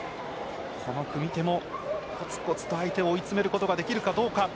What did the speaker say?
この組み手もコツコツと相手を追い詰めることができるかどうか。